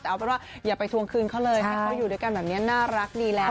แต่เอาเป็นว่าอย่าไปทวงคืนเขาเลยให้เขาอยู่ด้วยกันแบบนี้น่ารักดีแล้ว